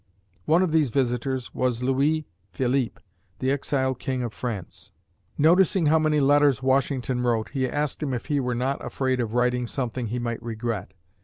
One of these visitors was Louis Philippe, the exiled King of France. Noticing how many letters Washington wrote, he asked him if he were not afraid of writing something he might regret.